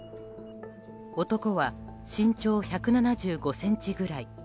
男は身長１７５ｃｍくらい。